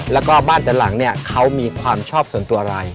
แล้วก็บ้านแต่หลังเนี่ยเขามีความชอบส่วนตัวอะไร